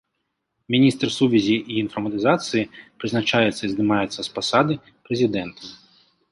Міністр сувязі і інфарматызацыі прызначаецца і здымаецца з пасады прэзідэнтам.